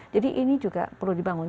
jadi ini juga perlu dibangun